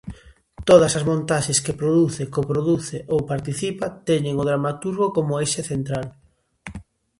Todas as montaxes que produce, coproduce ou participa teñen ao dramaturgo como eixe central.